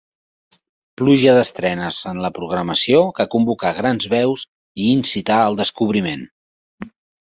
Pluja d'estrenes en la programació que convocà grans veus i incità al descobriment.